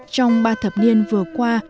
trong ba thập niên vừa qua